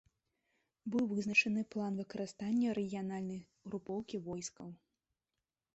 Быў вызначаны план выкарыстання рэгіянальнай групоўкі войскаў.